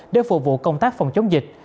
để phục vụ công tác phòng chống dịch